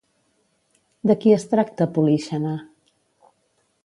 De qui es tracta Políxena?